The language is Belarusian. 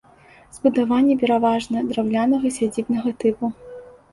Збудаванні пераважна драўлянага сядзібнага тыпу.